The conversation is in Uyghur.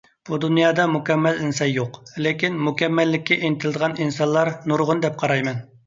بۇ دۇنيادا مۇكەممەل ئىنسان يوق، لېكىن مۇكەممەللىككە ئىنتىلىدىغان ئىنسانلار نۇرغۇن دەپ قارايمەن.